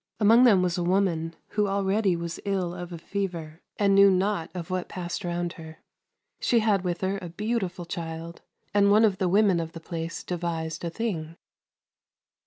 Among them was a woman who already was ill of a fever, and knew naught of what passed round her. She had with her a beautiful child; and one of the women of the place devised a thing.